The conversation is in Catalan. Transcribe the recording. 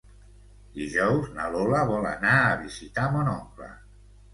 Dijous na Lola vol anar a visitar mon oncle.